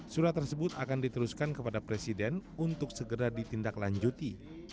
surat tersebut akan diteruskan kepada presiden untuk segera ditindaklanjuti